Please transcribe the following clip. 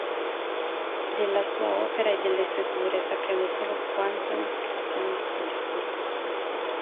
Della sua opera e delle sue cure sappiamo solo quanto ne scrisse lui stesso.